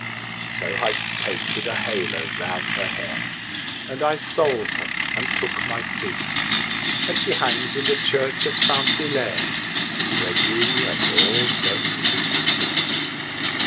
So I painted a halo round her hair, And I sold her and took my fee, And she hangs in the church of Saint Hillaire, Where you and all may see.